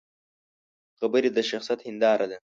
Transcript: خبرې د شخصیت هنداره ده